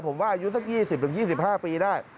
ผมว่าอายุสัก๒๐๒๕ปีได้